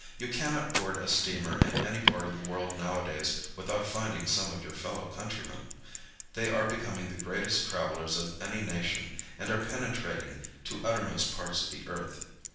You cannot board a steamer in any part of the world nowadays without finding some of your fellow countrymen. They are becoming the greatest travelers of any nation and are penetrating to uttermost parts of the earth.